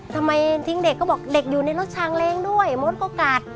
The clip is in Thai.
ทำไมทิ้งเด็กก็บอกเด็กอยู่ในรถชางเล้งด้วยมดเขากัด